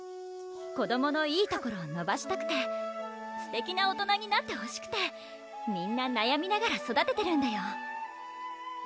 子どものいいところをのばしたくてすてきな大人になってほしくてみんななやみながら育ててるんだよ